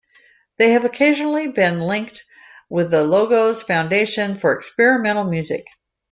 They have occasionally been linked with the Logos Foundation for experimental music.